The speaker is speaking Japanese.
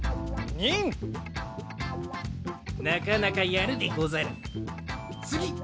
なかなかやるでござる。